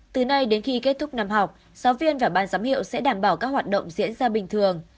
từ nay đến khi kết thúc năm học giáo viên và ban giám hiệu sẽ đảm bảo các hoạt động diễn ra bình thường